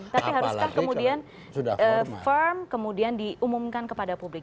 tapi haruskah kemudian firm kemudian diumumkan kepada publik